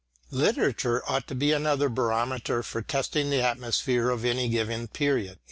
Literature ought to be another barometer for testing the atmosphere of any given period.